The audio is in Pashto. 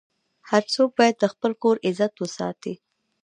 هر څوک باید د خپل کور عزت وساتي.